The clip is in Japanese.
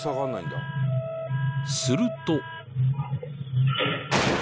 ［すると］